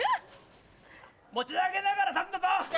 持ち上げながら立つんだぞ！